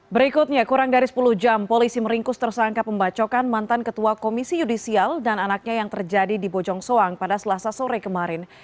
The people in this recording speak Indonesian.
berikutnya kurang dari sepuluh jam polisi meringkus tersangka pembacokan mantan ketua komisi yudisial dan anaknya yang terjadi di bojong soang pada selasa sore kemarin